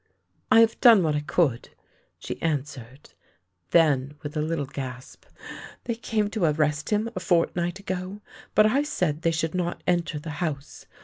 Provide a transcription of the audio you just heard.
" I have done what I could," she answered. Then with a little gasp :'' They came to arrest him a fortnight ago, but I said they should not enter the house.